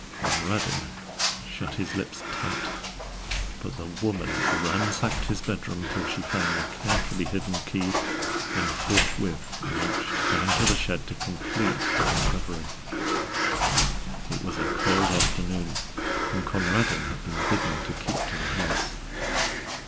Conradin shut his lips tight, but the Woman ransacked his bedroom till she found the carefully hidden key, and forthwith marched down to the shed to complete her discovery. It was a cold afternoon, and Conradin had been bidden to keep to the house.